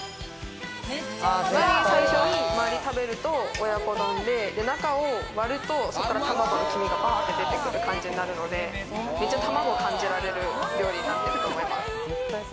最初は周り食べると親子丼で中を割ると、そこから卵の黄身がバーって出てくる感じになるので、めっちゃ卵を感じられる料理だと思います。